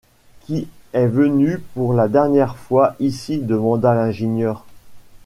Qui est venu pour la dernière fois ici demanda l’ingénieur